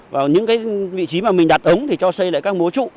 vào những cái vị trí mà mình đặt ống thì cho xây lại các mố trụ